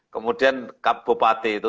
kemudian kabupaten itu